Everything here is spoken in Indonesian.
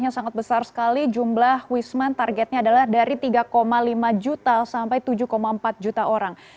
yang sangat besar sekali jumlah wisman targetnya adalah dari tiga lima juta sampai tujuh empat juta orang